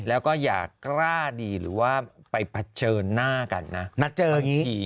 แล้วก็อย่ากล้าดีหรือว่าไปผ่าเชิญหน้ากันนะนัดเจออย่างงี้